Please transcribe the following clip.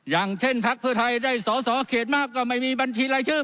อย่างเช่นพักเพื่อไทยได้สอสอเขตมากก็ไม่มีบัญชีรายชื่อ